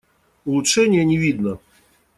Улучшения не видно.